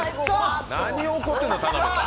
何を怒ってるの、田辺さん。